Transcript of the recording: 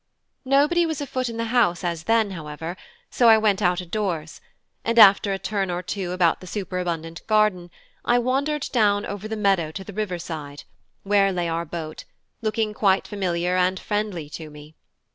Nobody was afoot in the house as then, however, so I went out a doors, and after a turn or two round the superabundant garden, I wandered down over the meadow to the river side, where lay our boat, looking quite familiar and friendly to me.